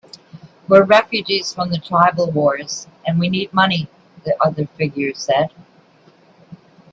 "We're refugees from the tribal wars, and we need money," the other figure said.